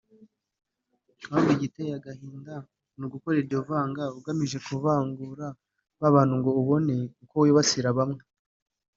ahubwo igiteye agahinda ni ugukora iryo vanga ugamije kuvangura ba bantu ngo ubone uko wibasira bamwe